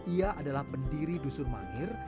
ia adalah pendiri dusun mangir